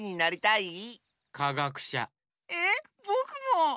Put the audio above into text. えっぼくも！